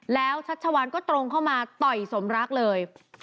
แล้วชัชวานก็ตรงเข้ามาต่อยสมรักเลย